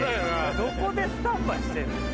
どこでスタンバイしてんの？